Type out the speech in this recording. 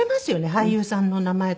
俳優さんのお名前とか。